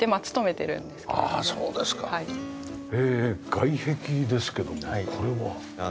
外壁ですけどもこれは。